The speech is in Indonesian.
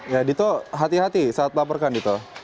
ya dito hati hati saat laporkan dito